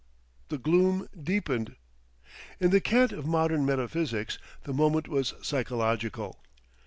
The gloom deepened. In the cant of modern metaphysics, the moment was psychological.